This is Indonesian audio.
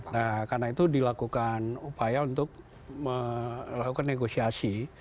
nah karena itu dilakukan upaya untuk melakukan negosiasi